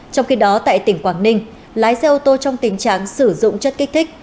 trong khi đó tại tỉnh quảng ninh lái xe ô tô trong tình trạng sử dụng chất kích thích